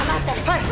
はい！